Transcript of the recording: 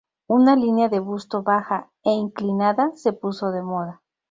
Una línea de busto baja e inclinada se puso de moda.